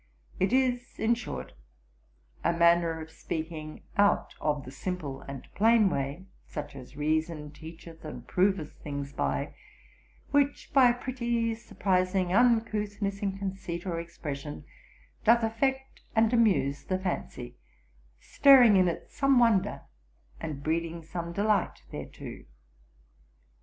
It is, in short, a manner of speaking out of the simple and plain way, (such as reason teacheth and proveth things by,) which by a pretty surprising uncouthness in conceit or expression, doth affect and amuse the fancy, stirring in it some wonder, and breeding some delight thereto.